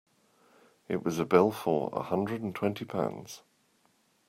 It was a bill for a hundred and twenty pounds.